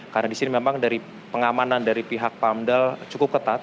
karena di sini memang dari pengamanan dari pihak pamdel cukup ketat